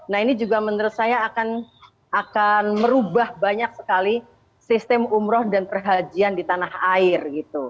nah ini juga menurut saya akan merubah banyak sekali sistem umroh dan perhajian di tanah air gitu